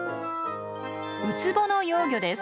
ウツボの幼魚です。